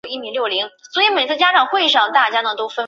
此系藉由异质的外观来部署事件的发生点。